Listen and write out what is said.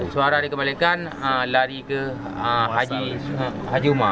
suara yang dikembalikan lari ke haji umar